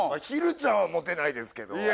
ひるちゃんはモテないですけど。